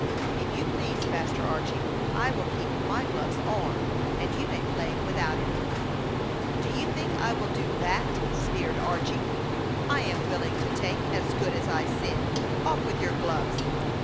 "If you please, Master Archy, I will keep my gloves on, and you may play without any." "Do you think I will do that?" sneered Archy. "I am willing to take as good as I send. Off with your gloves!"